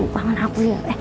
bangun aku ya